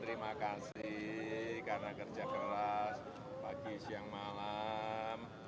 terima kasih karena kerja keras pagi siang malam